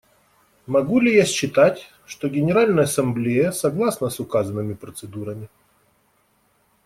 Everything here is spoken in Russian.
Могу ли я считать, что Генеральная Ассамблея согласна с указанными процедурами?